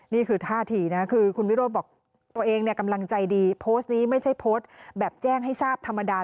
นี่คือท่าทีนะคือคุณวิโรธบอกตัวเองกำลังใจดีโพสต์นี้ไม่ใช่โพสต์แบบแจ้งให้ทราบธรรมดา